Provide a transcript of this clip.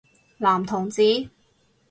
男同志？